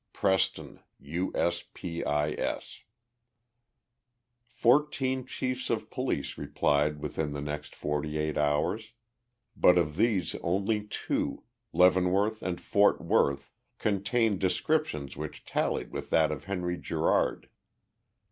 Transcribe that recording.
PRESTON, U. S. P. I. S. Fourteen chiefs of police replied within the next forty eight hours, but of these only two Leavenworth and Fort Worth contained descriptions which tallied with that of Henry Gerard.